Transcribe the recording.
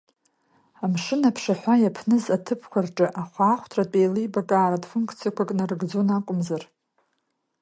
Амшын аԥшаҳәа иаԥныз аҭыԥқәа рҿы ахәаахәҭартә-еилибакааратә функциақәак нарыгӡон акәымзар.